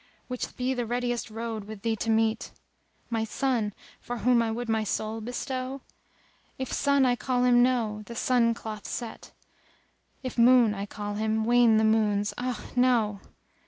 Which be the readiest road wi' thee to meet * My Son! for whom I would my soul bestow? If sun I call him no! the sun doth set; * If moon I call him, wane the moons; Ah no!